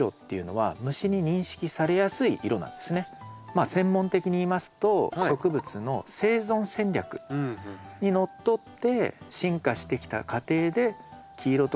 まあ専門的に言いますと植物の生存戦略にのっとって進化してきた過程で黄色とか白が生き残ってきたと。